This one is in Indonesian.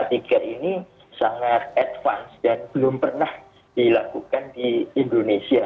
tiga ini sangat advance dan belum pernah dilakukan di indonesia